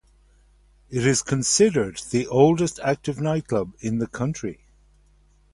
It is considered the oldest active nightclub in the country.